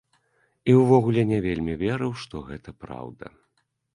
І ўвогуле не вельмі верыў, што гэта праўда.